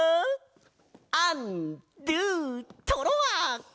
アンドゥトロワ！ホホホ！